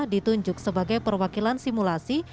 ditunjuk sebagai perwakilan simulasi